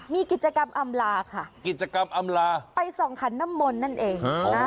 มีกิจกรรมอำลาค่ะกิจกรรมอำลาไปส่องขันน้ำมนต์นั่นเอง